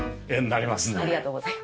ありがとうございます。